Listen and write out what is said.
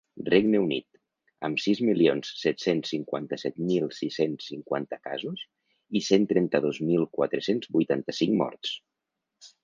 Regne Unit, amb sis milions set-cents cinquanta-set mil sis-cents cinquanta casos i cent trenta-dos mil quatre-cents vuitanta-cinc morts.